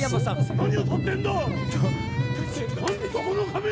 何を撮ってんだ。